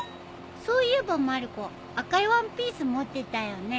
そういえばまる子赤いワンピース持ってたよね？